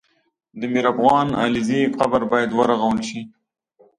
د میرافغان علیزي قبر باید ورغول سي